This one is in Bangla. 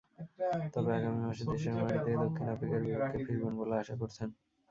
তবে আগামী মাসে দেশের মাটিতে দক্ষিণ আফ্রিকার বিপক্ষে ফিরবেন বলে আশা করছেন।